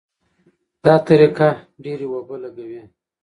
دا طریقه ډېرې اوبه لګوي.